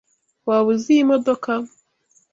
Waba uzi iyi modoka?